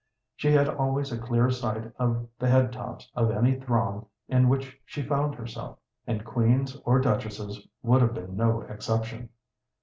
She had always a clear sight of the head tops of any throng in which she found herself, and queens or duchesses would have been no exception.